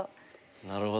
なるほど。